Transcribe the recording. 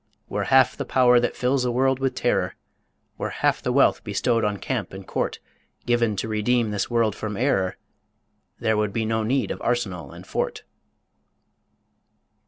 Were half the power that fills the world with terror, Were half the wealth bestowed on camp and court Given to redeem this world from error, There would be no need of arsenal and fort.